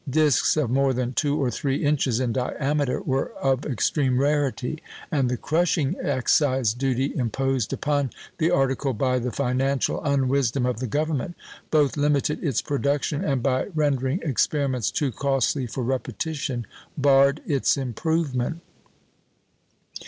Discs of more than two or three inches in diameter were of extreme rarity; and the crushing excise duty imposed upon the article by the financial unwisdom of the Government, both limited its production, and, by rendering experiments too costly for repetition, barred its improvement.